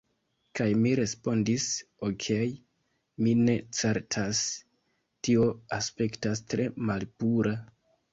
Kaj mi respondis, "Okej' mi ne certas... tio aspektas tre malpura..."